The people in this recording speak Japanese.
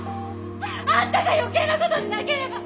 あんたが余計なことしなければ。